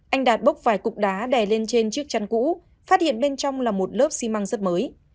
anh đạt bốc vài cục đá đè lên trên chiếc chăn cũ phát hiện bên trong là một lớp xi măng rất mới